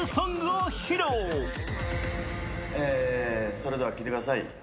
それでは聞いてください